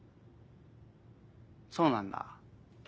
そうなんだ。